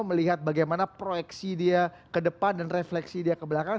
melihat bagaimana proyeksi dia ke depan dan refleksi dia ke belakang